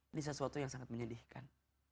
ini sesuatu yang sangat menyedihkan